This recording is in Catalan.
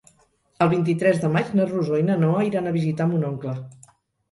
El vint-i-tres de maig na Rosó i na Noa iran a visitar mon oncle.